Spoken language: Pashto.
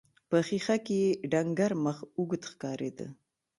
په ښيښه کې يې ډنګر مخ اوږد ښکارېده.